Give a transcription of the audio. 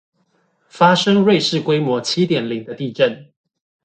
發生苪氏規模七點零的地震